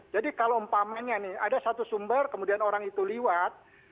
jadi kalau umpamanya nih ada satu sumber kemudian orang itu liwat